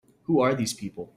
Who are these people?